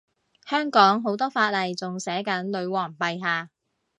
香港好多法例仲寫緊女皇陛下